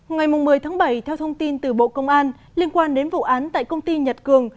ngày một mươi tháng bảy theo thông tin từ bộ công an liên quan đến vụ án tại công ty nhật cường